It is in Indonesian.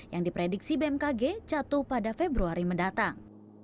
yang diprediksi bmkg jatuh pada februari mendatang